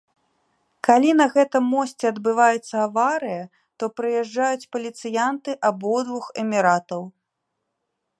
Калі на гэтым мосце адбываецца аварыя, то прыязджаюць паліцыянты абодвух эміратаў.